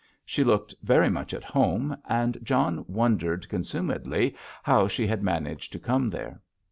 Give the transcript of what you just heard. She looked very much at home, and John wondered consumedly how she had managed to come there.